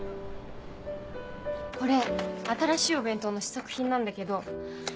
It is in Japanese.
これ新しいお弁当の試作品なんだけど。